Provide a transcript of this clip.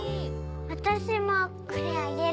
私もこれあげる。